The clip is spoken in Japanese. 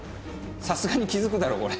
さすがに気づくだろこれ。